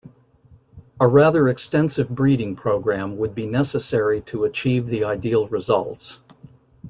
A rather extensive breeding program would be necessary to achieve the ideal results.